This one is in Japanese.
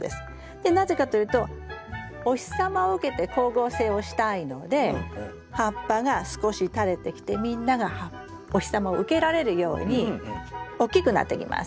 でなぜかというとお日様を受けて光合成をしたいので葉っぱが少し垂れてきてみんながお日様を受けられるように大きくなってきます。